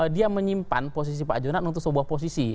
dia menyimpan posisi pak jonan untuk sebuah posisi